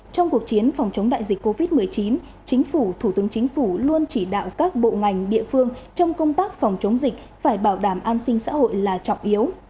trong cuộc chiến phòng chống đại dịch covid một mươi chín chính phủ thủ tướng chính phủ luôn chỉ đạo các bộ ngành địa phương trong công tác phòng chống dịch phải bảo đảm an sinh xã hội là trọng yếu